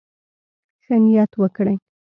ښه نيت وکړئ.